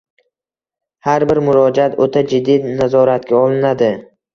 Har bir murojaat oʻta jiddiy nazoratga olinadi.